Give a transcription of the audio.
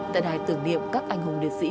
tại đài tưởng niệm các anh hùng liệt sĩ